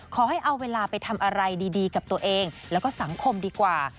ขอให้เอาเวลาไปทำอะไรดีกับตัวเองแล้วก็สังคมดีกว่า